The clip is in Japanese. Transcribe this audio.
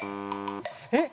えっ